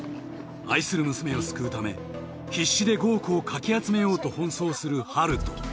愛する娘を救うため必死で５億をかき集めようと奔走する温人